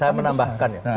saya menambahkan ya